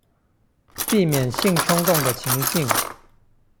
避免性衝動的情境